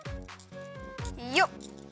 よっ。